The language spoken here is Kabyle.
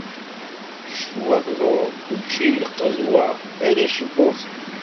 Ccetwa tḍul, učči yenqedwa, arrac lluẓen.